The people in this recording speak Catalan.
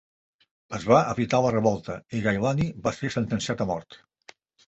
Es va evitar la revolta i Gaylani va ser sentenciat a mort.